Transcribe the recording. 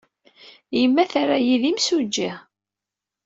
Yemma terra-iyi d imsujji.